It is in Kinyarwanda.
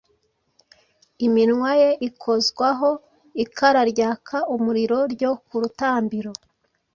Iminwa ye ikozwaho ikara ryaka umuriro ryo ku rutambiro,